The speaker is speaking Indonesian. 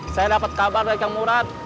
saya dapat kabar dari kang murad